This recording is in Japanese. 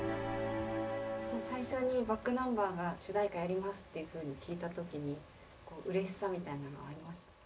最初にｂａｃｋｎｕｍｂｅｒが主題歌やりますっていうふうに聞いた時にうれしさみたいなのありましたか？